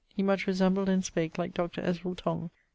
He much resembled and spake like Dr. Ezerel Tong.